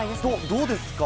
どうですか？